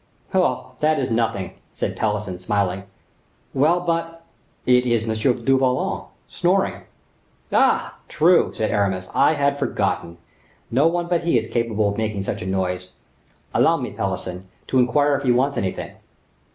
"Oh, that is nothing," said Pelisson, smiling. "Well; but—" "It is M. du Vallon snoring." "Ah! true," said Aramis: "I had forgotten. No one but he is capable of making such a noise. Allow me, Pelisson, to inquire if he wants anything."